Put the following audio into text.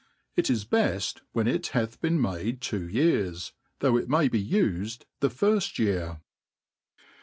It is beft when it hath been made two years, though it may be uftd the firft year.